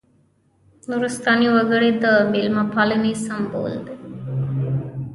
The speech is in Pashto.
نورستاني وګړي د مېلمه پالنې سمبول دي.